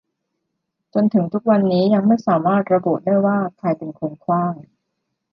จนถึงทุกวันนี้ยังไม่สามารถระบุได้ว่าใครเป็นคนขว้าง